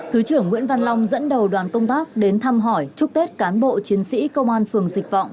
thứ trưởng nguyễn văn long dẫn đầu đoàn công tác đến thăm hỏi chúc tết cán bộ chiến sĩ công an phường dịch vọng